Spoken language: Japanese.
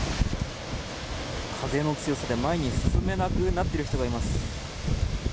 風の強さで前に進めなくなっている人がいます。